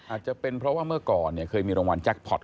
อาจจะเป็นเพราะว่าเมื่อก่อนเนี่ยเคยมีรางวัลแจ็คพอร์ต